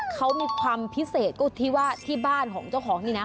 เขามีความพิเศษก็ที่ว่าที่บ้านของเจ้าของนี่นะ